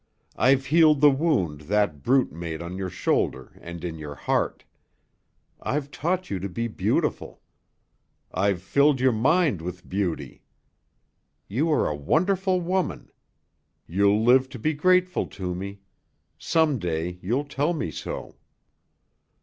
I've healed the wound that brute made on your shoulder and in your heart. I've taught you to be beautiful. I've filled your mind with beauty. You are a wonderful woman. You'll live to be grateful to me. Some day you'll tell me so."